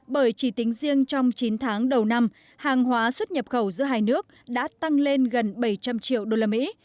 bởi chỉ tính riêng trong chín tháng đầu năm hàng hóa xuất nhập khẩu giữa hai nước đã tăng lên gần bảy trăm linh triệu đô la mỹ